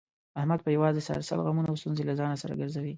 احمد په یووازې سر سل غمونه او ستونزې له ځان سره ګرځوي.